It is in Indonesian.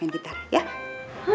lagi lagi mereka berdua lagi